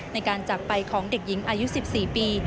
ในการจากไปของเด็กหญิงอายุ๑๔ปี